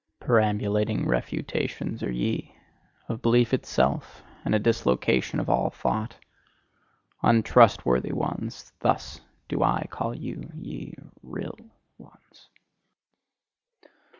Perambulating refutations are ye, of belief itself, and a dislocation of all thought. UNTRUSTWORTHY ONES: thus do I call you, ye real ones!